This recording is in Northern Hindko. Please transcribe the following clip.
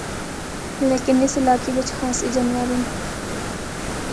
لیکن اس علاقے بچ خاصے جانور ہن۔